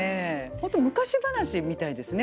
ホント昔話みたいですね。